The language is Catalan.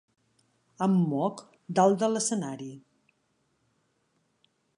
Em moc dalt de l'escenari.